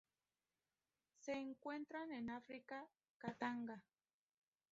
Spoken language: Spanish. Se encuentran en África: Katanga.